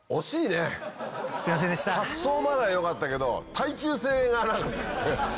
発想まではよかったけど耐久性がなかったね。